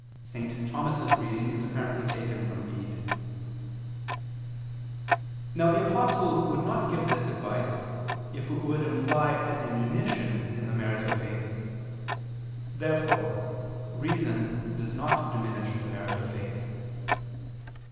St. Thomas' reading is apparently taken from Bede.] and hope which is in you." Now the Apostle would not give this advice, if it would imply a diminution in the merit of faith. Therefore reason does not diminish the merit of faith.